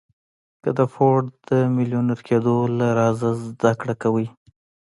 که د فورډ د ميليونر کېدو له رازه زده کړه کوئ.